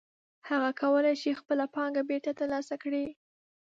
هغه کولی شي خپله پانګه بېرته ترلاسه کړي